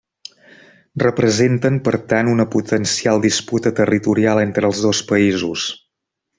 Representen, per tant, una potencial disputa territorial entre els dos països.